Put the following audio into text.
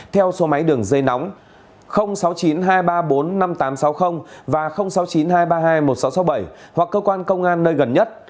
theo số máy đường dây nóng sáu mươi chín hai trăm ba mươi bốn năm nghìn tám trăm sáu mươi và sáu mươi chín hai trăm ba mươi hai một nghìn sáu trăm sáu mươi bảy hoặc cơ quan công an nơi gần nhất